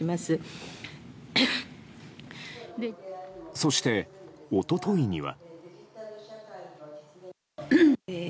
そして、一昨日には。